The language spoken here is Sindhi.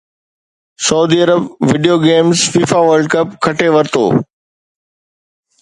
Saudi Arab video games FIFA World Cup کٽي ورتو